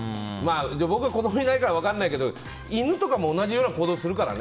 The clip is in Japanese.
僕は子供いないから分からないけど犬も同じ行動するから。